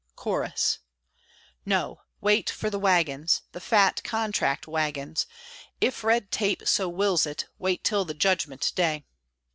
Chorus No! wait for the wagons, The fat contract wagons; If red tape so wills it, Wait till the Judgment day.